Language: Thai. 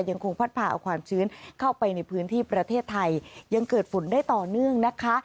ยังคงพัดพาเอาความชื้นเข้าไปในพื้นที่ประเทศไทยยังเกิดฝนได้ต่อเนื่องนะคะ